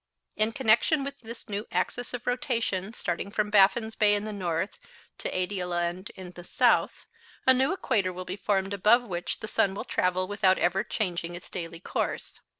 In connection with this new axis of rotation, starting from Baffins' Bay in the north, to Adelialand in the south, a new equator will be formed above which the sun will travel without ever changing his daily course.